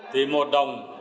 thì một đồng